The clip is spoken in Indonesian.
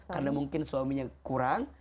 karena mungkin suaminya kurang